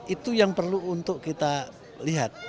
itu yang perlu untuk kita lihat